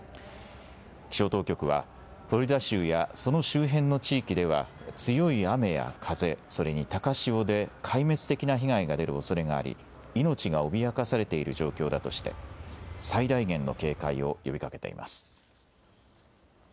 気象当局は、フロリダ州やその周辺の地域では、強い雨や風、それに高潮で壊滅的な被害が出るおそれがあり、命が脅かされている状況だとして、最大限の警戒を呼びかけています。